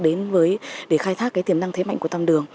để giải thác cái tiềm năng thế mạnh của tam đường